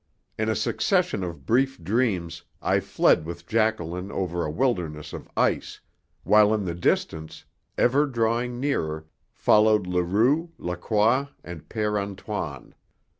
In a succession of brief dreams I fled with Jacqueline over a wilderness of ice, while in the distance, ever drawing nearer, followed Leroux, Lacroix, and Père Antoine.